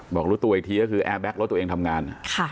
บอกรู้ตัวอีกทีก็แอร์แบ็คล็อตตัวเองทำงาน